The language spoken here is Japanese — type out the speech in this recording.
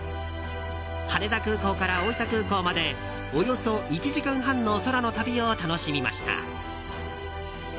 羽田空港から大分空港までおよそ１時間半の空の旅を楽しみました。